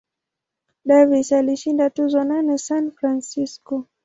Davis alishinda tuzo nane San Francisco.